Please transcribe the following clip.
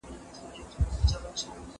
شپه ویده کېدای شي، خو ښه خوب کول اړین دي.